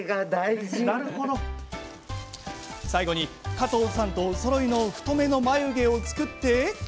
最後に、加藤さんとおそろいの太めの眉毛を作って。